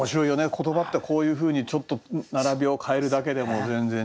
言葉ってこういうふうにちょっと並びを変えるだけでも全然違うし。